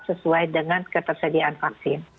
sesuai dengan ketersediaan vaksin